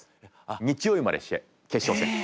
日曜日まで試合決勝戦。